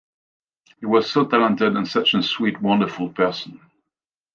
He was so talented and such a sweet wonderful person.